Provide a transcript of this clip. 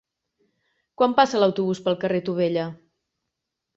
Quan passa l'autobús pel carrer Tubella?